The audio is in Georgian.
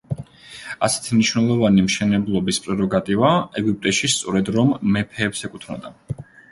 ასეთი მნიშვნელოვანი მშენებლობის პრეროგატივა ეგვიპტეში სწორედ, რომ მეფეებს ეკუთვნოდა.